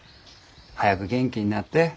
早く元気になって。